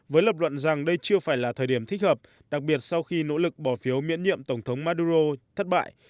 với lập luận rằng đây chưa phải là thời điểm thích hợp đặc biệt sau khi nỗ lực bỏ phiếu miễn nhiệm tổng thống maduro thất bại